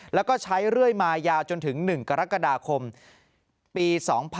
แล้วก็ใช้เรื่อยมายาวจนถึง๑กรกฎาคมปี๒๕๖๒